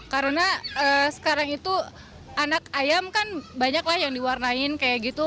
karena sekarang itu anak ayam kan banyak lah yang diwarnain kayak gitu